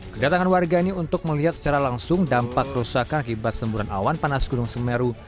kedatangan warga ini untuk melihat secara langsung dampak kerusakan akibat semburan awan panas gunung semeru